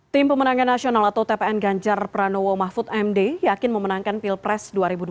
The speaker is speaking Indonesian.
tim pemenangan nasional atau tpn ganjar pranowo mahfud md yakin memenangkan pilpres dua ribu dua puluh